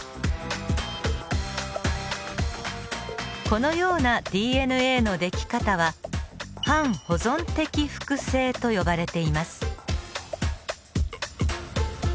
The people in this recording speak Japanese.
このようなＤＮＡの出来方は半保存的複製と呼ばれています。